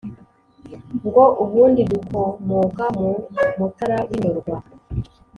ngo ubundi dukomoka mu Mutara w’i Ndorwa